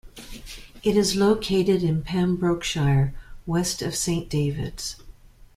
It is located in Pembrokeshire, west of Saint David's.